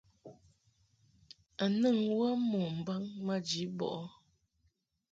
A nɨŋ wə mo mbaŋ maji bɔʼɨ ?